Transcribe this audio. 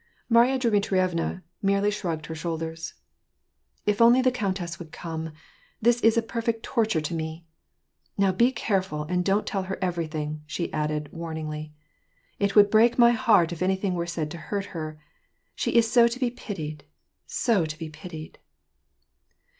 Marya Dmitrievna merely shrugged her shoulders. " If only the countess would come ; this is a perfect torture to me. Now be careful, and don't tell her everything," she added, wamingly. "It would break my heart if anything wei e said to hurt her ; she is so to be pitied, so to be pitied